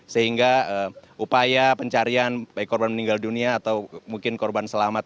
sehingga upaya pencarian baik korban meninggal dunia atau mungkin korban selamat